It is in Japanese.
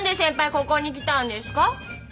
ここに来たんですか？